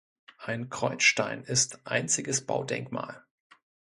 Ein Kreuzstein ist einziges Baudenkmal.